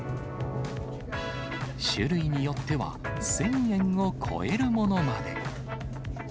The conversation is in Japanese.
種類によっては、１０００円を超えるものまで。